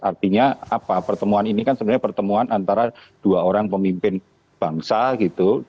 artinya apa pertemuan ini kan sebenarnya pertemuan antara dua orang pemimpin bangsa gitu